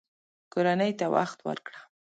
کورنۍ ته وخت ورکړه